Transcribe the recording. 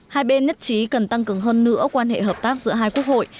hai bên nhất trí cần tăng cường hơn nữa quan hệ hợp tác giữa hai quốc hội